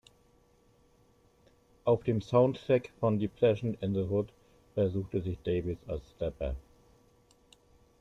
Auf dem Soundtrack von Leprechaun in the Hood versuchte sich Davis als Rapper.